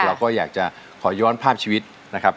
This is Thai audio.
เราก็อยากจะขอย้อนภาพชีวิตนะครับ